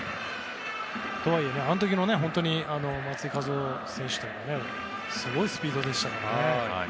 とはいえ、あの時の松井稼頭央選手というのはすごいスピードでしたからね。